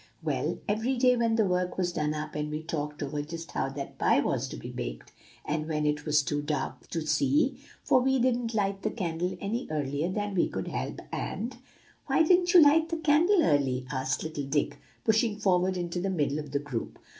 Well, every day when the work was done up we talked over just how that pie was to be baked; and when it was too dark to see, for we didn't light the candle any earlier than we could help, and" "Why didn't you light the candle early?" asked little Dick, pushing forward into the middle of the group.